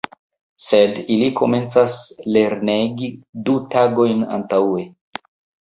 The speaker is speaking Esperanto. Sed ili komencas lernegi du tagojn antaŭe.